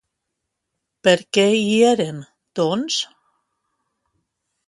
Per què hi eren, doncs?